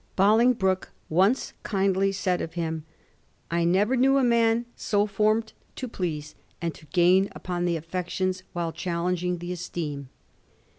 Boling broke once kindly said of him, ^ I never knew a man so formed to please, and to gain upon the affections while challenging the esteem.'